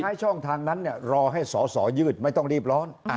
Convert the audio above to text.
คำร้องทางนั้นเนี่ยรอให้สอสอยืดไม่ต้องรีบร้อน